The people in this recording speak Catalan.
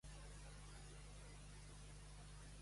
La seva germana més petita, Dorothy, era la besàvia d"Alcott.